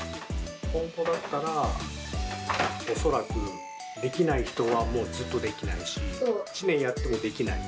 本当だったら、恐らくできない人はもうずっとできないし、１年やってもできない。